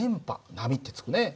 波って付くね。